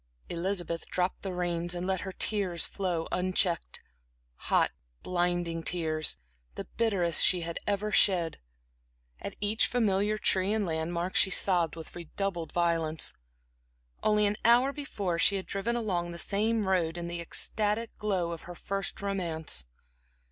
Elizabeth dropped the reins and let her tears flow unchecked hot, blinding tears, the bitterest she had ever shed. At each familiar tree and landmark she sobbed with redoubled violence. Only an hour before she had driven along this same road in the ecstatic glow of her first romance.